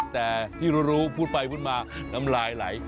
แต่ที่รู้พูดไปพูดมาน้ำลายไหล